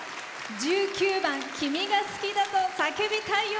１９番「君が好きだと叫びたい」